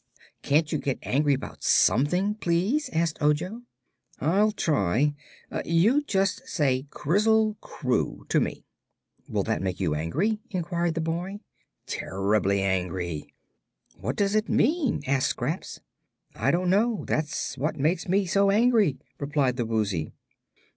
"Can't you get angry 'bout something, please?" asked Ojo. "I'll try. You just say 'Krizzle Kroo' to me." "Will that make you angry?" inquired the boy. "Terribly angry." "What does it mean?" asked Scraps. "I don't know; that's what makes me so angry," replied the Woozy.